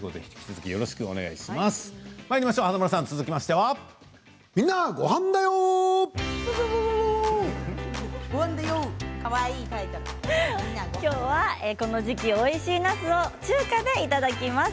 きょうはこの時期おいしいなすを中華でいただきます。